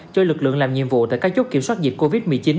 cho lực lượng làm nhiệm vụ tại các chốt kiểm soát dịch covid một mươi chín